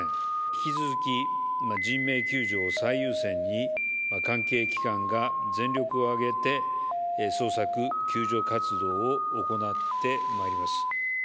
引き続き、人命救助を最優先に、関係機関が全力を挙げて捜索・救助活動を行ってまいります。